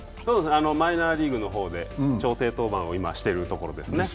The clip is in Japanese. マイナーリーグの方で調整登板を今、しているところですね。